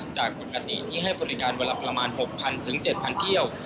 จากปกติที่ให้บริการวันละประมาณ๖๐๐๗๐๐เที่ยว